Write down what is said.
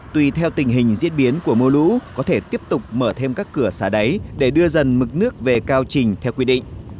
tùy theo tình hình diễn biến của mưa lũ có thể tiếp tục mở thêm các cửa xả đáy để đưa dần mực nước về cao trình theo quy định